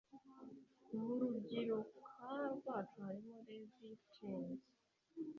mu rubyiruka rwacu harimo levi jeans